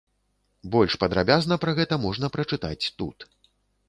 Больш падрабязна пра гэта можна прачытаць тут.